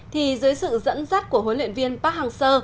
thì dưới sự dẫn dắt của huấn luyện viên park hang seo